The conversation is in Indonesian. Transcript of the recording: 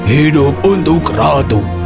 hidup untuk ratu